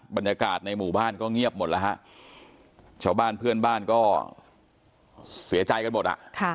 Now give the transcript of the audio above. บรรยากาศในหมู่บ้านก็เงียบหมดแล้วฮะชาวบ้านเพื่อนบ้านก็เสียใจกันหมดอ่ะ